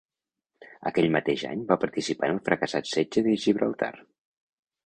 Aquell mateix any va participar en el fracassat setge de Gibraltar.